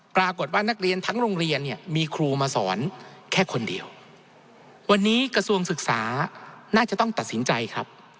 ปรากฏว่านักเรียนทั้งโรงเรียนเนี่ยมีครูมาสอนแค่คนเดียววันนี้กระทรวงศึกษาน่าจะต้องตัดสินใจครับ